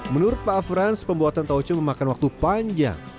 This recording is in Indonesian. menurut pak afrans pembuatan tauco memakan waktu panjang